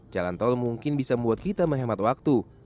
jalan tol mungkin bisa membuat kita menghemat waktu